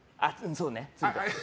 そうね。